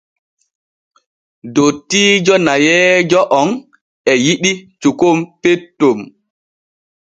Dottiijo nayeeje on e yiɗi cukon petton.